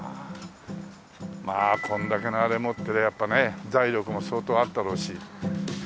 まあこんだけのあれ持ってりゃやっぱね財力も相当あったろうし。